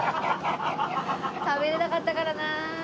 食べれなかったからなあ。